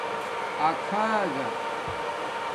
اکھاگہ